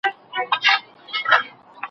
پخوا خلګو خپل پس انداز نه کاراوه.